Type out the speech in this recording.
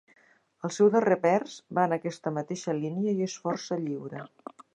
El seu darrer vers va en aquesta mateixa línia i és força lliure.